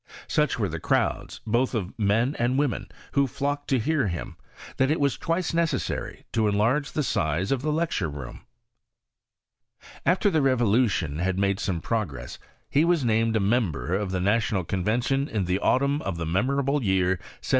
Such were the crowds, both of men and women, who flocked to hear him, that it was twice necessary to enlarge the size of the lecture room. After the revolution had made some progress, he was named a member of the National Convention in the autumn of the memorable year 1793.